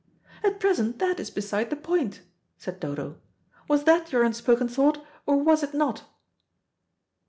"At present that is beside the point," said Dodo. "Was that your unspoken thought, or was it not?"